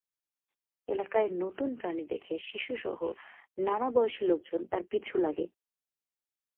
এলাকায় নতুন প্রাণী দেখে শিশুসহ নানা বয়সী লোকজন তার পিছু লাগে।